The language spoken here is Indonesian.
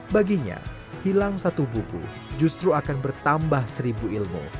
baginya hilang satu buku justru akan bertambah seribu ilmu